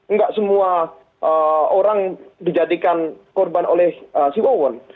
nggak semua orang dijadikan korban oleh si wawan